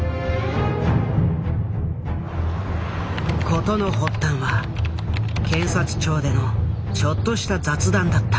事の発端は検察庁でのちょっとした雑談だった。